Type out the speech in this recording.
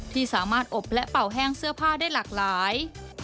ที่สามารถอบและเป่าแห้งเสื้อผ้าได้หลากหลาย